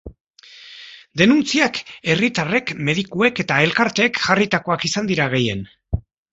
Denuntziak herritarrek, medikuek eta elkarteek jarritakoak izan dira gehien.